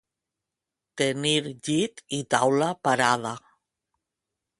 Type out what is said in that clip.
Tenir llit i taula parada.